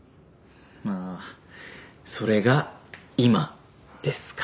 ああそれが今ですか？